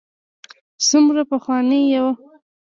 څومره پخواني یو.